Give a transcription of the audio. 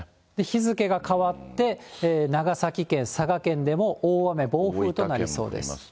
日付が変わって、長崎県、佐賀県でも大雨暴風となりそうです。